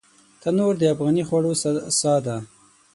تنور د افغاني خوړو ساه ده